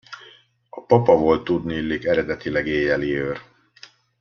A papa volt tudniillik eredetileg éjjeliőr.